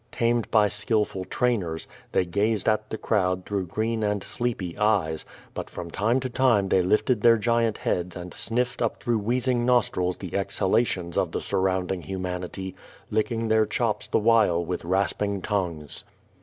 Tamed by skillful trainers, they gazed at the crowd through green an<l aleepy eyes^ but from time to time they lifted their giant heads QUO VADI8. 2^5 and sniffed up through wheezing nostrils the exhalations of the surrounding humanity, licking their chops the while with rasping tongues.